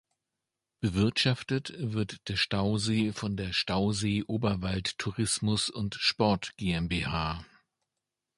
Bewirtschaftet wird der Stausee von der Stausee Oberwald Tourismus und Sport GmbH.